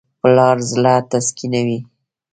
• زوی د پلار زړۀ تسکینوي.